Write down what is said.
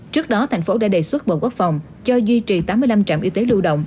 trước đó thành phố đã đề xuất bộ quốc phòng cho duy trì tám mươi năm trạm y tế lưu động